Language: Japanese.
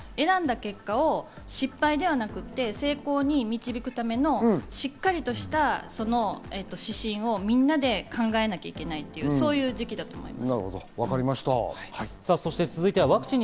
選んだ結果を失敗ではなくって、成功に導くための、しっかりとした指針をみんなで考えなきゃいけない、そういう時期だと思います。